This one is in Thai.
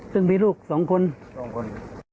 ซึ่งมีลูกสองคนสองคน